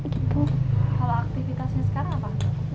kalau aktivitasnya sekarang apa